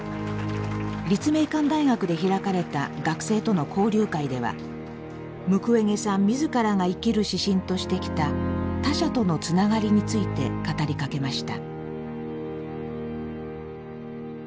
立命館大学で開かれた学生との交流会ではムクウェゲさん自らが生きる指針としてきた他者とのつながりについて語りかけました。